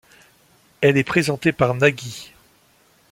Elle est présentée par Nagui.